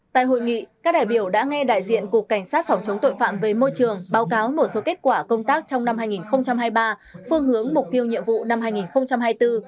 tại hội nghị các đại biểu đã nghe đại diện cục cảnh sát phòng chống tội phạm về môi trường báo cáo một số kết quả công tác trong năm hai nghìn hai mươi ba phương hướng mục tiêu nhiệm vụ năm hai nghìn hai mươi bốn